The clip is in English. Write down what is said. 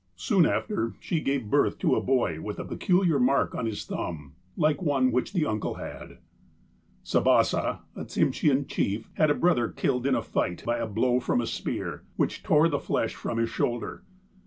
Soon after 106 THE APOSTLE OF ALASKA she gave birth to a boy with a peculiar mark on his tliumb, like one which the uncle had. Sebassah, a Tsimshean chief, had a brother killed in a fight by a blow from a spear, which tore the flesh from his shoulder.